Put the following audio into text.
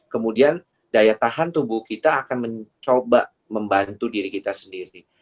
kemudian daya tahan tubuh kita akan mencoba membantu diri kita sendiri